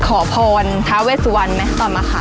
ขอพรทาเวสวันไหมตอนมาขาด